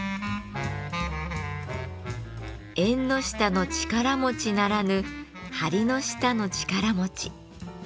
「縁の下の力持ち」ならぬ「はりの下の力持ち」。